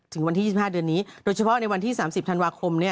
ถึงวันที่๒๕เดือนนี้โดยเฉพาะในวันที่๓๐ธันวาคม